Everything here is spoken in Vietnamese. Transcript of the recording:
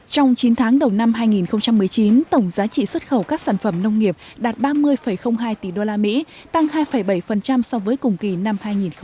trong chín tháng đầu năm hai nghìn một mươi chín tổng giá trị xuất khẩu các sản phẩm nông nghiệp đạt ba mươi hai tỷ usd tăng hai bảy so với cùng kỳ năm hai nghìn một mươi tám